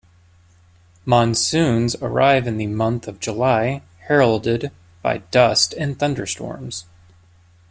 Monsoons arrive in the month of July heralded by dust and thunderstorms.